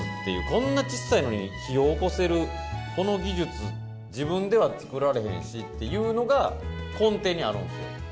こんなちっさいのに、火をおこせるこの技術、自分では作られへんしというのが、根底にあるんですよ。